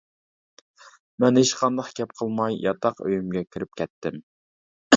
مەن ھېچقانداق گەپ قىلماي ياتاق ئۆيۈمگە كىرىپ كەتتىم.